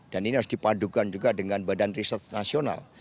dan ini harus dipadukan juga dengan badan riset nasional